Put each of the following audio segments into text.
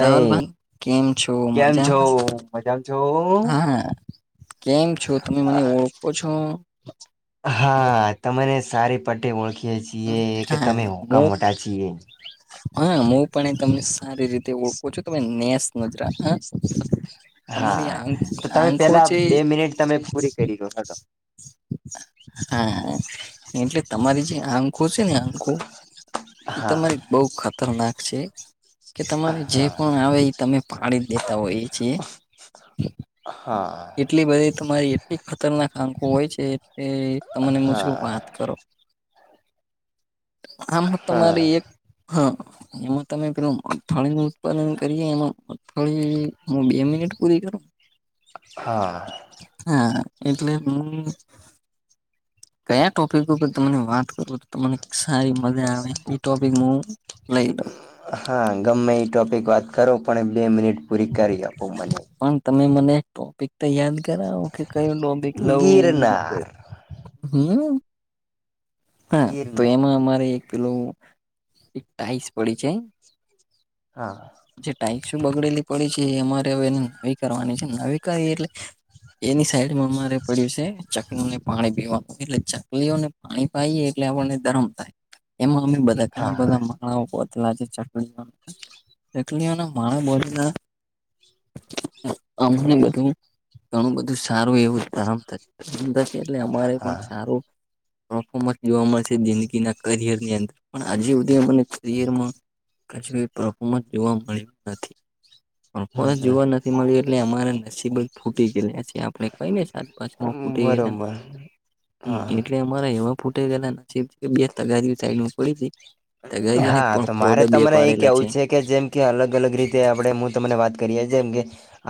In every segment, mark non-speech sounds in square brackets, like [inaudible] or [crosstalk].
તોલ [unintelligible] ભાઈ કેમ છો કેમ છો મજામાં મજામાં છો? હા. કેમ છો તમે મને ઓળખો છો? હા તમને સારી પટ્ટી ઓળખીએ છેીએ. [inaudible] હા તમે હું હોકા મોટા છીએ. હા હું પણ એ તમને સારી રીતે ઓળખું છું તમે નેસ નજરા હ. તમારી હા આંખ તો તમે આંખો પેલા છે. બે મિનિટ તમે પૂરી કરી લો હલો. હા એટલે તમારી જે આમ ખો છે ને અંકુ એ હા તમારી બહ ખતરનાક છે. કે તમારે જે હા પણ આવે એ તમે પાડી જ દેતા હોય છે. હા. એટલી બધી તમારી એટલી ખતરનાક આંખો હોય છે. એ તમને હું હા શું વાત કરો. આમ હા તમારી એક હા. એમાં તમે પેલું મગફળી નું ઉત્પાદન કરીએ એમાં મગફળી હ બે મિનિટ પૂરી કરું. હા. હા એટલે હું કયા ટોપિક ઉપર તને વાત કરું તો તમને સારી મ ટોપિક મુું લઈ લઉ. હા ગમે એ ટોપિક વાત કરો પણ બે મિનિટ પૂરી કરી આપો મને. પણ તમે મને ટોપિક તો યાદ કરાવ કે કયું ટોપિક લવું. ગિરનાર હમ્મ. હા તો ગિરનાર એમાં અમારે એક પેલોું એક ટાઈસ પડી છે. હા. જે ટાાઈક્સ બગડેલી પડી છે એ અમારે હવે એ નવી કરવાની છે નવી કરીવી એટલે એની સાઈડમાં અમારે પડ્યું છે ચકલી ને પાણી પીવાનું એટલે ચકલીઓને પાણી ખાઈએ એટલે આપણને ધરમ થાય એમાં અમે બધા ઘણા હા બધા તલા છે ચકલીઓ ચકલીઓ ના માણ બોલી ના અમને બધું ઘણું બધું સારું એવું ધર્મ થશે. એટલે અમારે પણ હા સારું. પરફોર્મસ જોવા મળશે જિંદગીના કરિયરની અંદર પણ આજે સુધી મનેયરમાં પરફોમન્સ જોવા મળ્યું નથી, હમ પરફોર્મન્સ જોવા નથી. ળિયું એટલે અમારા નસીબ જ ફૂટી ગયે છે. આપ કઈને સાત પાછ ફૂટે હમ ગયેલા, બરોબર હા એટલે અરા એમાં ફૂટે ગયેલાબ બે તગારી સાઈડ પડી. તગારીને હા પણ તો પોડ મારે બે તમને એ પાડેલા કેવું છે કે જેમ કે અલગ અલગ રીતે આપડે હું તમને વાત કરી જ અમે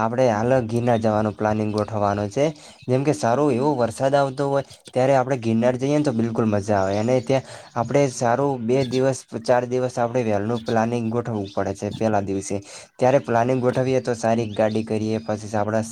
આપણે હાલ ગિરનાર જવાનું પ્લાનિંગ ગોઠવવાનું છે, જેમ કે સારો એવો વરસાદ આવતો. હોય, ત્યારે આપણે ગિરનાર જઈએ તો બિલકુલ મજા આવે અને ત્યાં, આપણે સારું બે દિવસ ચાર દિવસ આપડે વેલુ પ્લાનિંગ ગોઠવવું પડે છે પેલા દિવસે. ત્યારે પ્લાનિંગ ગોઠવીએ તો સારી ગાડી કરીએ પછી આપણા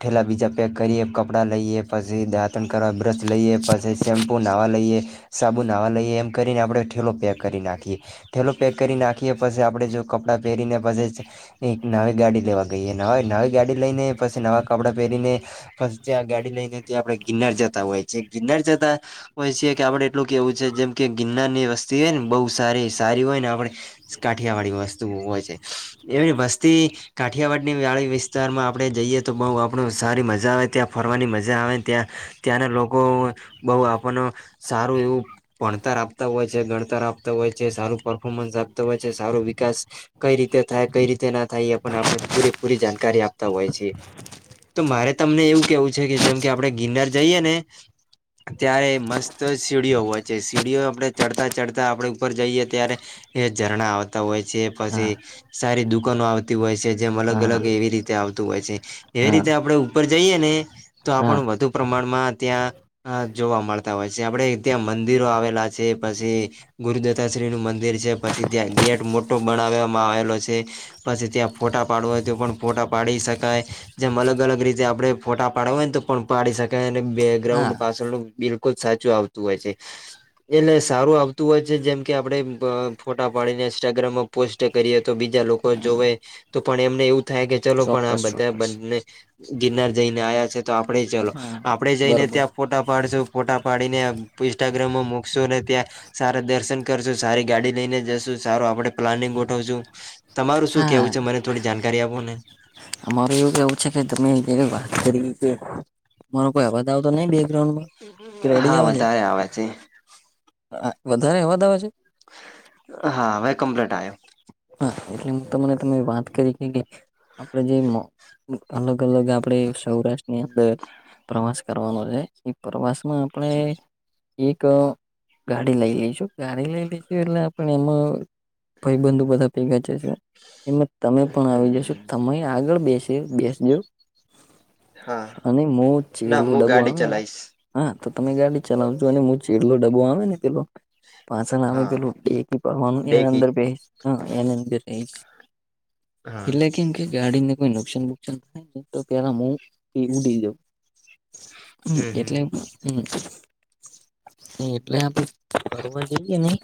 ઠેલા બીજા પેક કરીએ કપડા લઈએ. પછી દાંતણ કરવા બ્રશ લઈએ પછી શેમ્પુ નાહવા લઈએ, સાબુ નાવા લઈએ. એમ કરીને આપણે ઠેલો પેક કરી નાખીએ. થેલો પેક કરી નાખીએ પછી આપડે જો કપડાં પહેરીને પછી, એક નવી ગાડી લેવા ગઈએ નવા નવી ગાડી લઈને પછી નવાં કપડાં પહેરીને. પછી ત્યાં ગાડી લઈ ને ત્યા આપડણે ગિરનાર જતા હોય છે ગિરનાર જતા હોય છીએ કે આપડે એટલું કેવું છે જેમ કે ગિરનાર ની વસ્તી હોય ને બહુ સારી સારી હોય ને આપડે કાઠિયાવાડી વસ્તુ હોય છે, એવી વસ્તી કાઠિયાવાડી ની વાળી વિસ્તારમાં આપણે જઈએ તો બહુ આપણું સારી મજા આવે ત્યાં ફરવાની મજા આવે ત્યાં. ત્યાંના લોકો, બહુ આપણને સારું એવું ભણતર આપતા હોય છે ગણતર આપતા હોય છે સારું પરફોર્મન્સ આપતો હોય છે સારો વિકાસ કઈ રીતે થાય કઈ રીતે ના થાય એ પણ આપણે પૂરેપૂરી જાણકારી આપતા હોય છે. તો મારે તમને એવું કેવું છે કે જેમ કે આપડણે ગિનર જઈએ ને. અત્યારે મસ્ત સીડીઓ હોય. જે સીડીઓ આપણે ચડતા ચઢતા આપણે ઉપર જઈએ ત્યારે. એ ઝરણા આવતા હોય છે હા પછી, સારી દુકાનો આવતી હોય છે. જેમ અલગ હા અલગ એવી રીતે આવતું હોય છે, એવી હા રીતે આપડે ઉપર જઈએને, તો હા આપણ વધુ પ્રમાણમાં ત્યાં જોવા મળતા હોય છે આપડે ત્યાં મંદિરો આવેલા છે પછી ગુરુદત્તા શ્રી નું મંદિર છે પછી ત્યાં ગેટ મોટો બનાવવામાં આવેલો છે. પછી ત્યાં ફોટા પાડવા હોય તો પણ ફોટા પાડી શકાય. જેમ અલગ અલગ રીતે આપડે ફોટા પાડવા હોય ને તો પણ પાડી શકાય. હા બેકગ્રાઉન્ડ પાછળનું બિલકુલ સાચું આવતું હોય છે. એટલે સારું આવતું હોય છે જેમ કે આપડે ફોટા પાડીને ઇન્સ્ટાગ્રામમાં પોસ્ટ કરીએ તો બીજા લોકો જોવે, તો પણ એમને એવું થાય કે ચલો પણ આ ચોક્કસ બધા ચોક્કસ બંને, ગિરનાર જઈને આવ્યા છે તો આપણે ચલો, હા આપણેે જઈને બરોબર ત્યાં ફોટા પાડશું ફોટા પાડીને ઇન્સ્ટાગ્રામમાં મૂકશું અને ત્યાં સારા દર્શન કરશુ સારી ગાડી લઈને જશુ સારું આપડે પ્લાનિંગ ગોઠવશું. તમારું શું હા કેવું છે મને થોડી જાણકારી આપો ને. માર એવું કેવું છે કે તમે વાત કરી કે, મારો કોઈ અવાજ આવતો નઈ બેકગ્રાઉન્ડ માં? હા વધારે આવે છે. વધારે એવા દાવા છે? હા ભ કમ્પ્લેટ આયો. હા એટલે હું તને તમે વાત કરી કે કે આપણે જે અલગ અલગ આપણે સૌરાષ્ટ્રની અંદર પ્રવાસ કરવાનો છે એ પ્રવાસ માં આપણે એક ગાડી લઈ લઈશું ગાડી લઈ લઈશું એટલે આપ એમાં ભાઈ બંધુ બધા ભેગા થશે, એમાં તમે પણ આવી જશો હમ તમે આગળ બેસી બેસજો, હા અને મો ના ચીલું હું ડબબું ગાડી આવે ને. ચલાવીશ હા તો તમે ગાડી ચલાવજો અને હચીલો ડબ્બો આવે ને પેલો. પાછા ના આવે હા તો એક કરવાનું ડેકી અંદર બે એનંદી રહી છે હા એટલે કેમ કે ગાડીને કોઈ નુકસાન બુકસાન થાયને તો પેલા હું એ ઉડી જઉં હમ એટલે હમ એટલે આપડે ફવા જઈએ નહી.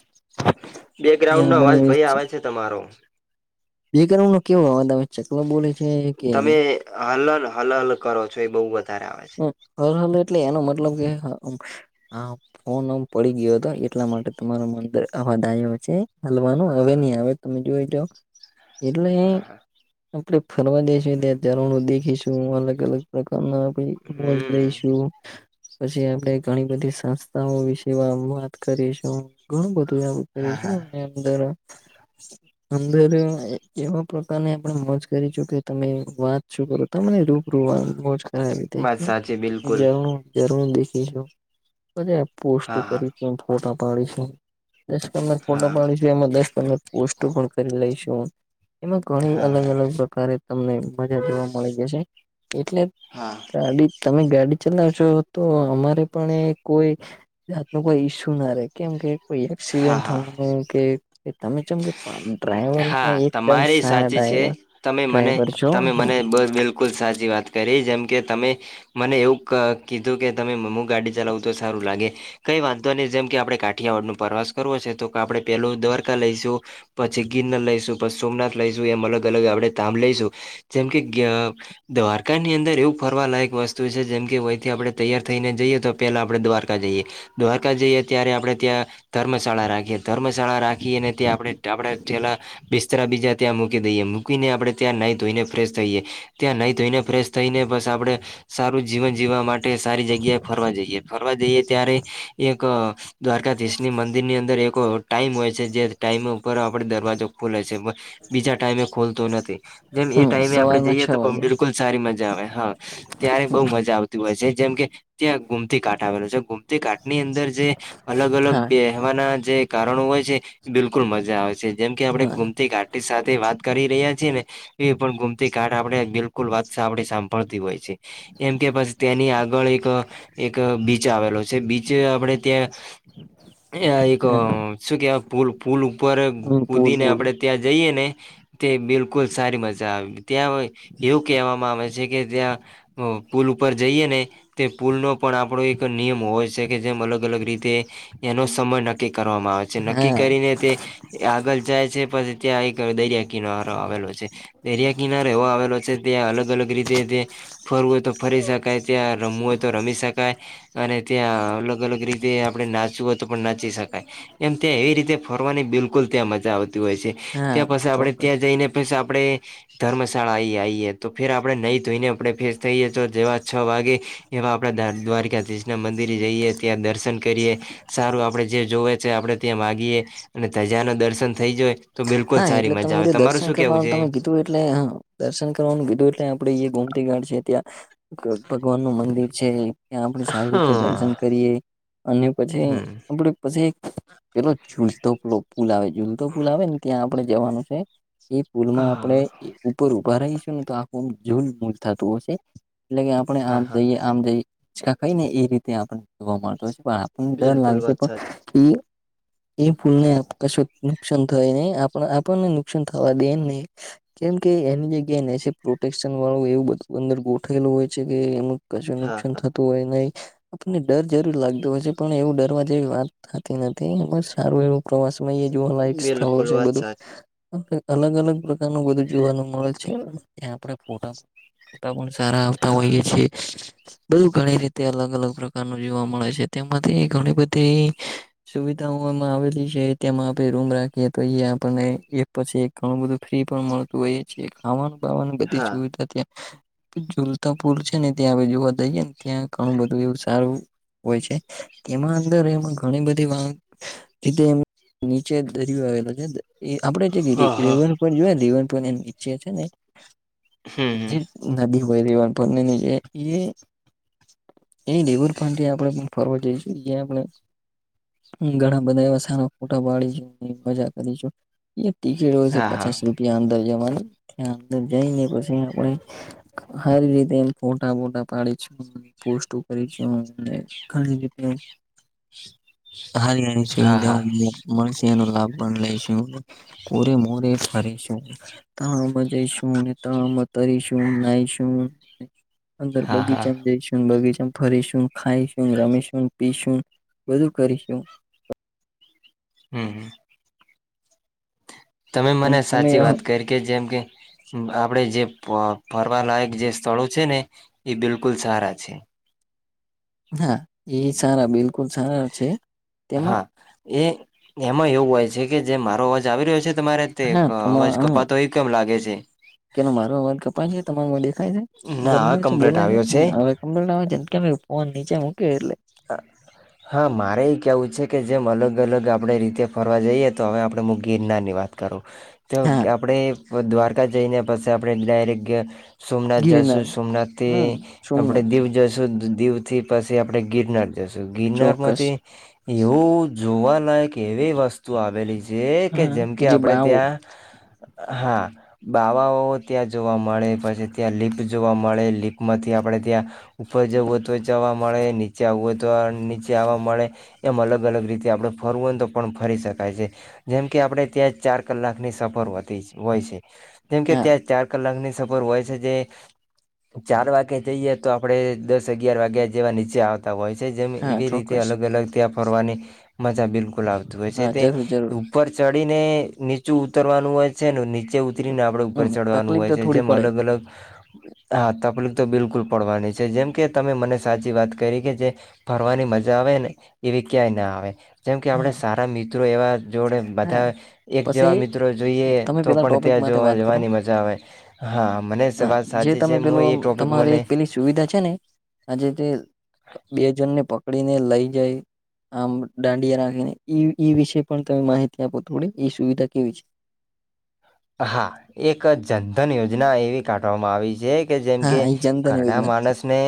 બે ગ્રાઉન્ડ નો અવાજ ભાઈ આવે છે તમારો બેકરમ નું કેવું આવેવે ચકલો બોલે છે કે. તમે હલલ હલ હલ કરો છો એ બહુ વધારે આવે છે. હ હ એટલે એનો મતલબ કે ફોન આમ પડી ગયો હતો એટલા માટે તમારા અંદર આવા દ આવ છે હલવાનું હવે નહી આવે. ટ એટલે એ હા હા આપણે ફરવા જઈશ ત્યા ચારું દેખીશું અલગ અલગ પ્રકારના. મોજ હમ લઈશું. પછી આપણે ઘણી બધી સંસ્થાઓ વિશે વાત કરીશું ઘણું બધું એવું હા કરીશું હા અંદર અંદર એવા પ્રકારને આપણે મજ કરીશું કે તમે વાત શું કરો. તમને રૂબરૂ બસ સાચી બિલકુલ. જરૂર દેખું પોસ્ટ હા હા કરી ફોટા પાડી શુ. દસ પંદર ફોટો હા હા પાડીશું એમાં દસ પંદર પોસ્ટો પણ કરી લઈશું હ એમાં ઘણી અલગ હા અલગ પ્રકારે તમને મજા જોવા મળી જશે એટલે હા ગાડી તમે ગાડી ચલાવશો તો અમારે પણ એ કોઈ જાત ન કોઈ ઈસ્યુ ના રે કેમ કે કોઈ હા એક્સિડેન્ટ હા થવાનું કે તમે જેમ કે ડ્રાઈવર એટલે હા એકદમ તમારી સારા સાચી છે ડ્રાઈવર તમે મને ડ્રાઈવર છો તમે મનેબ બિલકુલ બિલકુલ સાચી વાત કરી જેમ કે તમે મને એવું કીધું કે તમે મમ્ ગાડી ચલાવું તો સારું લાગે. કઈ વાંધો નહી જેમ કે આપણે કાઠિયાવાડ ન પ્રવાસ કરવો હ છે તો આપડણે પેલું દ્વારકા લઈશું. પછી ગિરનર લઈશું પછી સોમનાથ લઈશું એમ અલગ અલગ આપણે ધામ લઈશું જેમ કે. દ્વારકાની અંદર એવું ફરવાલાાયક વસ્તુ છે જેમ કે વયંથી આપણે તૈયાર થઈને જઈએ તો પહેલાં આપણે દ્વારકા જઈએ. દ્વારકા જઈએ ત્યારે આપણે ત્યાં ધર્મશાળા રાખીએ ધર્મશાળા રાખી અને ત્યાં આપણે આપણે પેલા બિસ્તરા બીજા ત્યાં મૂકી દઈએ મૂકીને આપડણે ત્યાં નાહી ધોઈને ફ્રેશ થઈ એ. ત્યાં નહી ધોઈને ફ્રેશ થઈને બસ આપડણે. સારું જીવન જીવવા માટે સારી જગ્યાએ ફરવા જઈએ ફરવા જઈએ ત્યારે એક દ્વારકાધીશની મંદિર ની અંદર એક ટાઈમ હોય છે જે ટાઈમ. પર દરવાજો ખોલે છે બીજા ટાઈમે ખોલતો નથી. જેમ એ હમ ટાઈમે આપડે સવારના જઈએ છ તો પણ વાગે બિલકુલ સારી મજા આવે હા ત્યારે બહુ મજા આવતી હોય છે જેમ કે ત્યાં ગુમતી કાટ આવેલું છે ગુમતી કાટ ની અંદર જે અલગ અલગ હા બે વાના જે કારણો હોય છે બિલકુલ મજા આવે છે જેમ કે આપડે હા ગુમતી કા સાથે વાત કરી રહ્યા છે ને એ પણ ગુમતી કાઠ આપણે બિલકુલ વાત આપે સાંભળતી હોય છે એમ કે પછી તેની આગળ એક. એક બીચ આવેલો છે બીચ આપણેે ત્યાં એ એક હા શું કે પૂલ પૂલ ઉપર હમ પુલ કૂદીને પુલ આપણે ત્યાં જઈએ ને. તે બિલકુલ સારી મજા આવે ત્યાં એવું કહેવામાં આવે છે કે ત્યાં પુલ ઉપર જઈએ ને તે પુલનો પણ આપણો એક નિયમ હોય છે કે જેમ અલગ અલગ રીતે એનો સમય નક્કી કરવામાં આવે છે નક્કી હા કરીને તે આગળ જાય છે પછી ત્યાં એક દરિયા કિનારો આવેલો છે. દરિયા કિનારે એવો આવેલો છે ત્યાં અલગ અલગ રીતે તે ફરવું હોય તો ફરી શકાય ત્યાં રમવું હોય તો રમી શકાય. અને ત્યાં અલગ અલગ રીતે આપડણે નાચવું હોય તો પણ નાચી શકાય એમ ત્યાં એવી રીતે ફ કરવાની બિલકુલ ત્યાં મજા આવતી હોય છે હા ત્યાં પછી આપડણે ચોક્કસ ત્યાં જઈને પી આપણે ધર્મશાળા આ આએે તો ફેર આપડણે નહી ધોઈને આપણે ફેસ થઈએ તો જેવા છ વાગે એવા આપણા દ્વારકાધીશના મંદિરે જઈએ ત્યાં દર્શન કરીએ સારું આપડે જે જોવે છે આપડણે ત્યાં માગીએે અને ધજા ન દર્શન થઈ જય. તો બિલકુલ હા એટલે સારી તમે મજા એ આવે રહ્યું તમાર દર્શન શું કેવું કરવાનું છે. તમે કીધું એટલે આમ દર્શન કરવાનું કીધું એટલે આપડે એ ગુમતી ગાડ છે ત્યાં ભગવાન નું મંદિર છે ત્યાં આપડે સારી રીતે દર્શન હા કરીયએ. અને પછી હમ. આપડ પછી પેલો ઝૂલતો ફૂલ આવે ઝૂલતો ફૂલ આવે. ત્યાં આપડણે જવાનું છે એ પુલ માં આપણે હા ઉપર ઉભા રહીશું ને તો જુલ મૂલ થતું હશે એટલે કે આપણે હા આમ હા કયે આમકા ખાય ને એ રીતે આપને જોવા મળતો હોય છે પણ આપણને ડર બિલકુલ લાગે છે વાત સાચી પણ એ ફૂલ ને કશો નુકસાન થય ને. આપણને નુકસાન થવા દે નહી. કેમ કે એની જગ્યાએ ને એ પ્રોટેક્શન વાળું એવું બધું અંદર ગોઠવેલું હોય છે કે એમ કચું હા નુકસાન હા થતું હોય નહી આપણને ડર જરૂર લાગતો હોય છે પણ એવું ડરવા જેવી વાત થતી નથી એમાં સારું એવું ઉપ પ્રવાસ માં એ જોવાલાયક સ્થળો છે. બિલકુલ વાત બધું સાચી અલગ અલગ પ્રકારનું બધું જોવાનું મળે છે ત્યાં આપડે ફોટા તા પણ સારા આવતા હા હોઈએ છેએ. બધુ ઘણી રીતે અલગ અલગ પ્રકારનું જોવા મળે છે તેમાંથી ઘણી બધી સુવિધાઓ એમાં આવેલી છે તેમાં આપણે રૂમ રાખીએ. તો એ આપણને એ પછી ઘણું બધું ફ્રી પણ મળતું હોય. પછી ખાવાનું પવાની બધી હા સુવિધા ત્યા જુલતાપુર છે ને ત્યાં જોવા જઈયએ ને ત્યાં ઘણું બધું એવું સારું હોય છે તેમાં અંદર એમાં ઘણી બધી વા નીચે દરિયો આવેલો છે એ આપડે જે હા હા રેવન પર જોએ રેવન પર નીચે છે ને. હમ જે નદી હોય રવાનપર ની જેે એ એ દેવર પં આપણેે ફરવર્ડ જઈશું એ આપણે. ઘણા બધા એવા સારા ફોટા પાડી મજા કરીશુ. એ ટિકિટ હોય છે હા હા પચાસ રૂપિયા અંદર જવાની ત્યાં અંદર જઈ ને પછી આપણે હારી રીતે એમ ફોટા બોટા પાડી છ. પોસ્ટો કરી છુ ઘણી હ હારી હની હા સુવિધાઓ હા મળશે એનો લાભ પણ લઈશું કોરે મોરે ફરીશું. મા જઈશું તણમાં તરીશું નાઈશું અંદર હા હા બગીચામાં જઈશું બગીચા ફરીશું ખાઈશું રમીશું પીશું બધું કરીશું. હમ્મ હમ્મ તમે અને મને તમે સાચી વાત કરી કે જેમ કે આપડે જે ફરવાલાયક જે સ્થળો છે ને એ બિલકુલ સારા છે. હા એ સારા બિલકુલ સારા છે. તેમાં હા એ એમાં એવું હોય છે કે જે મારો અવાજ આવી રહ્યો છે. તમારે તે હા તમા અવાજ હા કપાતો એ કેમ લાગે છે. કેનો મારો અવા કપાય છે તમાર દેખાય છે ના હવે બનાવે છે કમ્પ્લીટ બોલાય છે આવ્યો [unintelligible] અમ ના જનકાામ ફોનનીચે મુકે એટલે હ. હા મારે એ કેહેવું છે કે જેમ અલગ અલગ આપણે રીતે ફરવા જઈએ તો હવે આપણે મ ગીરનાની વાત કરો તો હા આપણે દ્વારકા જઈને પછી આપણે ડાયરેક્ટ સોમનાથ ગિરનાર જશું સોમનાથ થી હમ આપડે સોમનાથ દીવ જશું દીવથી પછી આપડે ગિરનાર જશું ગિરનાર ચોક્કસ માંથી એવું જોવાલાયક કેવી વસ્તુ આવેલી છે કે હા જેમ કે જે આપણે બાવો ત્યાં હા બાવાઓ ત્યાં જોવા મળે પછી ત્યાં લીપ જોવા મળે લીપ માંથી આપડણે ત્યાં ઉપર જવું હો તો જવા મળે ની નીચે આવું હોય તો નીચે આવવા મળે એમ અલગ અલગ રીતે આપણે ફરવું હોયને તો પણ ફરી શકાય છે જેમકે આપણે ત્યાં જ ચાર કલાકની સફર હોય છે જેમકે હા ત્યાં ચાર કલાકની સફર હોય છે જે ચાર વાગે જઈએ તો આપડે દસ અગિયાર વાગ્યા જેવા નીચે આવતા હોય છે જેમ હા એવી રીતે ચોક્કસ અલગ અલગ ત્યાં ફરવાની મજા બિલકુલ આવતી જુએ છે હા તે જરૂર જરૂર ઉપર ચડીને નીચું ઉતરવાનું હોય છે ને નીચે સ્ત્રીને આપડ ઉપર હમ ચડવાનું તકલીફ હોય તો છે થોડી જેમ પડે જ. અલગ અલગ હા તકલીફ તો બિલકુલ પડવાની છે જેમ કે તમે મને સાચી વાત કરી કે જે ફરવાની મજા આવે ને એવી ક્યાંય ના આવે જેમ કે આપણે હા સારા મિત્રો એવા જોડે હા બધા એક જેવા પછી મિત્રો જોઈએ તમે તો પેલા પણ ટોપિક ત્યાં માટે જોવા વાત કરો જવાની મજા આવે હા મને હા સવાલ જે સાચી છે તમે હું પેલો એ ટોપિક તમારે મને એક પેલી સુવિધા છે ને આજે તે બે જણને પકડીને લઈ જાય આમ દાંડિયા રાખી ને વિશે પણ તમે માહિતી આપો થોડી એ સુવિધા કેવી છે હા એક જનધન યોજના એવી કાઢવામાં આવી છે કે જેમ હા કે ઈ જનધન ઘરડા યોજના માણસને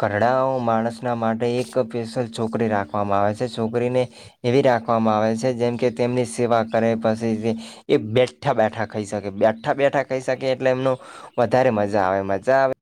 ઘરડાઓ માણસના માટે એક સ્પેશિયલ છોકરી રાખવામાં આવે છે છોકરીને એવી રાખવામાં આવે છે જેમ કે તેમની સેવા કરે પછી એ બેઠા બેઠા ખાઈ શકે બેઠા બેઠા ખાઈ શકે એટલે એમનો વધારે મજા આવે મજા આવે